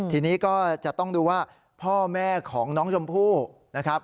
ทีนี้ก็จะต้องดูว่าพ่อแม่ของน้องชมพู่นะครับ